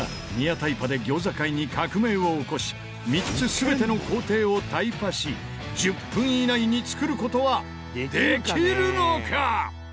タイパで餃子界に革命を起こし３つ全ての工程をタイパし１０分以内に作る事はできるのか？